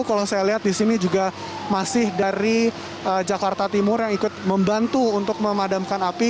kalau saya lihat di sini juga masih dari jakarta timur yang ikut membantu untuk memadamkan api